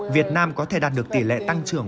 việt nam có thể đạt được tỷ lệ tăng trưởng